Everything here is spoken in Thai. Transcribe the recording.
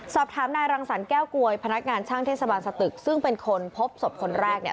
สอบถามนายรังสรรแก้วกวยพนักงานช่างเทศบาลสตึกซึ่งเป็นคนพบศพคนแรกเนี่ย